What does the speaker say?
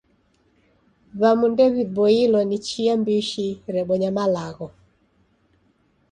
W'amu ndew'iboilo ni chia mbishi rebonya malagho.